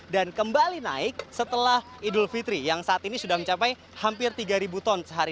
dan kembali naik setelah idul fitri yang saat ini sudah mencapai hampir tiga ribu ton sehari